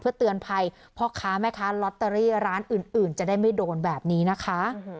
เพราะค้าแม่ค้ารอตเตอรี่ร้านอื่นอื่นจะได้ไม่โดนแบบนี้นะคะ